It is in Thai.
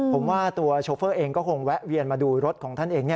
ผมว่าตัวโชเฟอร์เองก็คงแวะเวียนมาดูรถของท่านเอง